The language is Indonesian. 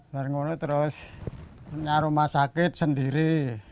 barangkali terus punya rumah sakit sendiri